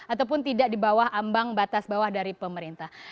ataupun tidak di bawah ambang batas bawah dari pemerintah